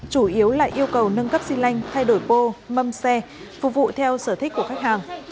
chủ yếu là yêu cầu nâng cấp xi lanh thay đổi pô mâm xe phục vụ theo sở thích của khách hàng